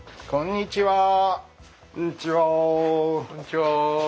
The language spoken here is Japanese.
こんにちは。